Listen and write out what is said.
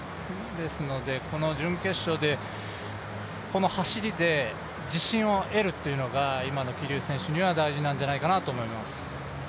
ですので、この準決勝の走りで自信を得るというのが今の桐生選手には大事なんじゃないかなと思います。